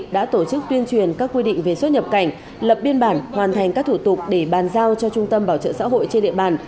đã tổ chức tuyên truyền các quy định về xuất nhập cảnh lập biên bản hoàn thành các thủ tục để bàn giao cho trung tâm bảo trợ xã hội trên địa bàn